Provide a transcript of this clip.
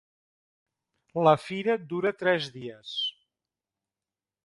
La fira dura tres dies.